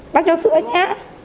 bác cho sữa nhé